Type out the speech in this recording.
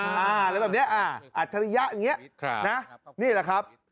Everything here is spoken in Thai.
อะไรแบบนี้อัจฉริยะอย่างนี้นะนี่แหละครับ